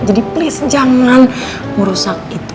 jadi please jangan merusak itu